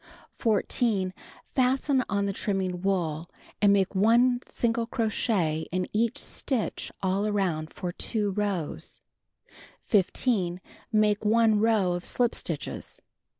14. Fasten on the trimnung wool, and make 1 single crochet in each stitch all around for 2 rows. 15. Make 1 row of slip stitches.